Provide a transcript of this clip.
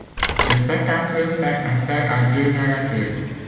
Le spectacle fait appel à deux narrateurs.